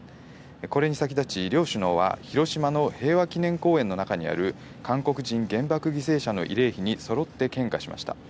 これに先立ち、両首脳は広島の平和記念公園の中にある韓国人原爆犠牲者の慰霊碑に揃って献花しました。